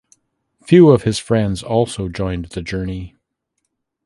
Few of his friends also joined the journey.